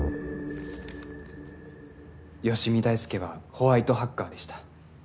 吉見大輔はホワイトハッカーでした